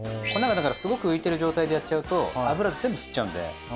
粉がだからすごく浮いている状態でやっちゃうと油全部吸っちゃうんで。